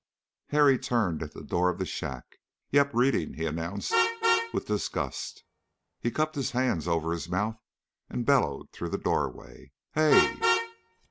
Harry turned at the door of the shack. "Yep, reading," he announced with disgust. He cupped his hands over his mouth and bellowed through the doorway, "Hey!"